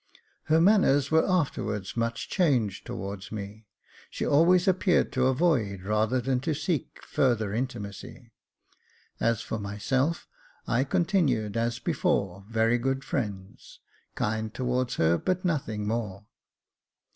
Her manners were after wards much changed towards me ; she always appeared to avoid, rather than to seek further intimacy. As for myself, I continued, as before, very good friends, kind towards her, but nothing more.